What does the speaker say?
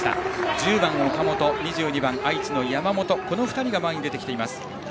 １０番、岡本２２番、愛知の山本この２人が前に出てきています。